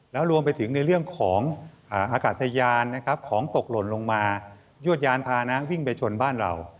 แล้วรวมไปถึงในเรื่องของอากาศยานนะครับของตกหล่นลงมายวดยานพาน้ำวิ่งไปชนบ้านเรา